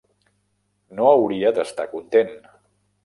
No hauria d"estar content.